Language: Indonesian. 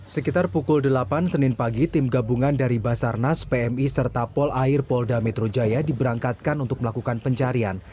sekitar pukul delapan senin pagi tim gabungan dari basarnas pmi serta polair polda metro jaya diberangkatkan untuk melakukan pencarian